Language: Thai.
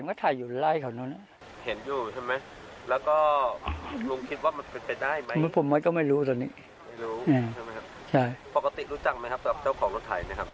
ปกติรู้จักไหมครับกับเจ้าของรถไถนะครับ